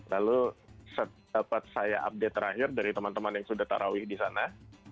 lalu setelah dapat saya update terakhir dari teman teman yang sudah tarawih di sana